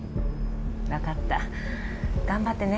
分かった頑張ってね。